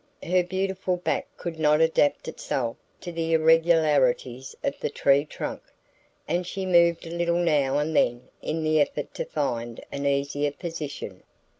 Her beautiful back could not adapt itself to the irregularities of the tree trunk, and she moved a little now and then in the effort to find an easier position.